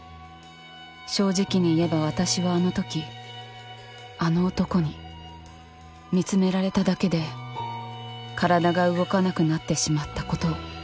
正直に言えば私はあのときあの男に見つめられただけで体が動かなくなってしまったことを。